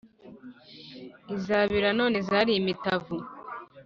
Izabira none zari imitavu